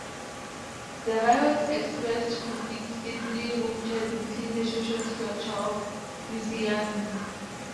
The riot expressed conflicts deeply rooted within the social structure of Louisiana.